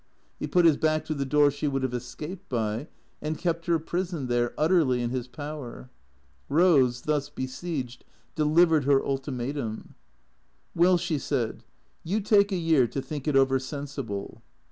He put his back to the door she would have escaped by, and kept her prisoned there, utterly in his power. Eose, thus besieged, delivered her ultimatum. " Well," she said, " you take a year to think it over sensible."